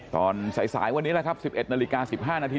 ตอนสายวันนี้แหละครับ๑๑นาฬิกา๑๕นาที